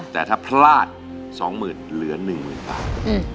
แต่ถ้าพลาด๒หมื่นเหลือ๑หมื่นบาท